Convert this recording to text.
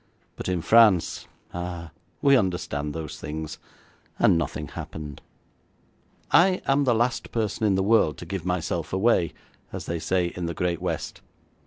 But in France ah, we understand those things, and nothing happened. I am the last person in the world to give myself away, as they say in the great West.